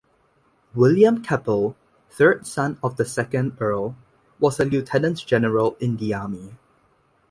William Keppel, third son of the second Earl, was a lieutenant-general in the army.